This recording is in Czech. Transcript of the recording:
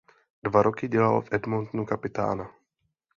Dva roky dělal v Edmontonu kapitána.